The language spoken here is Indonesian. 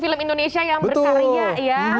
film indonesia yang berkarya ya